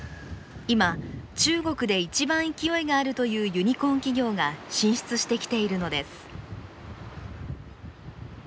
今中国で一番勢いがあるというユニコーン企業が進出してきているのです。